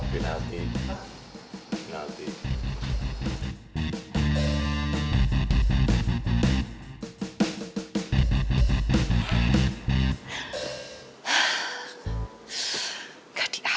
pelanggan baca wang yaa